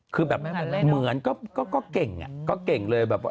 คือแบบเหมือนก็เก่งอะก็เก่งเลยแบบว่า